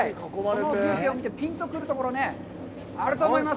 この風景を見てぴんと来るところあると思います！